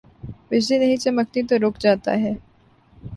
بجلی نہیں چمکتی تو رک جاتا ہے۔